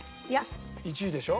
１位でしょ？